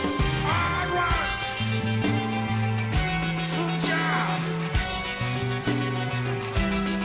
つーちゃん。